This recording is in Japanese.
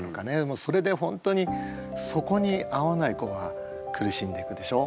もうそれで本当にそこに合わない子は苦しんでいくでしょ。